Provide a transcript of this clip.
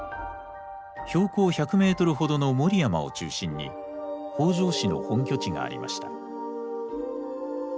標高１００メートルほどの守山を中心に北条氏の本拠地がありました。